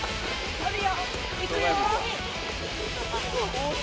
乗るよいくよ。